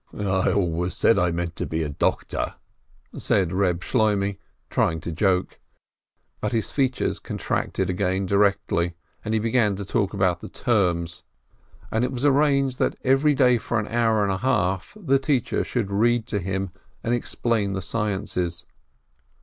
"I always said I meant to be a doctor!" said Reb Shloimeh, trying to joke. But his features contracted again directly, and he began to talk about the terms, EEB SHL01MEH 329 and it was arranged that every day for an hour and a half the teacher should read to him and explain the sciences.